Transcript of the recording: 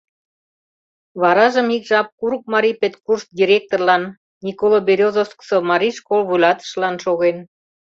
Варажым ик жап Курык марий педкурс директорлан, Николо-Березовкысо марий школ вуйлатышылан шоген.